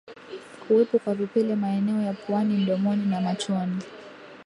Kuwepo kwa vipele maeneo ya puani mdomoni na machoni